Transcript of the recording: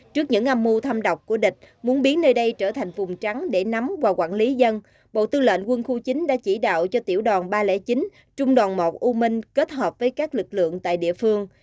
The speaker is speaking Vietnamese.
trước những âm mưu thâm độc của địch muốn biến nơi đây trở thành vùng trắng để nắm và quản lý dân bộ tư lệnh quân khu chín đã chỉ đạo cho tiểu đoàn ba trăm linh chín trung đoàn một u minh kết hợp với các lực lượng tại địa phương